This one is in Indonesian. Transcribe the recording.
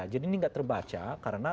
jadi ini gak terbaca karena